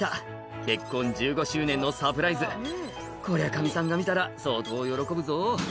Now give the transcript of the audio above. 「結婚１５周年のサプライズ」「こりゃカミさんが見たら相当喜ぶぞ」